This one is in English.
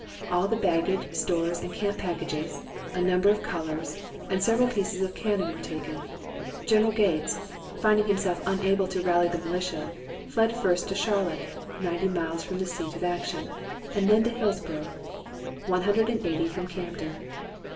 All the baggage, stores, and camp packages, a number of colors, and several pieces of cannon were taken. General Gates, finding himself unable to rally the militia, fled first to Charlotte, 90 miles from the seat of action, and then to Hillsborough, 180 from Camden.